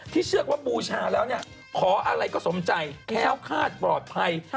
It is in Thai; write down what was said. เชื่อว่าบูชาแล้วเนี่ยขออะไรก็สมใจแค้วคาดปลอดภัย